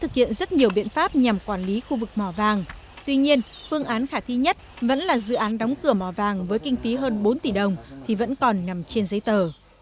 tuy nhiên phương án khả thi nhất vẫn là dự án đóng cửa mỏ vàng với kinh phí hơn bốn tỷ đồng thì vẫn còn nằm trên giấy tờ